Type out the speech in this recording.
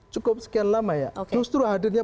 cukup sekian lama ya justru hadirnya